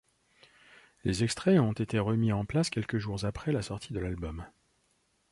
Les extraits ont été remis en place quelques jours après la sortie de l'album.